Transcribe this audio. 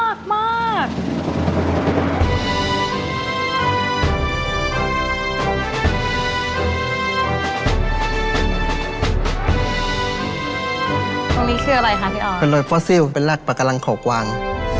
ตรงนี้ชื่ออะไรคะพี่ออนเป็นโรยฟอสซิลเป็นรากปากลังขอกวาง